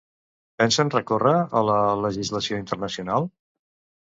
Pensen recórrer a la legislació internacional?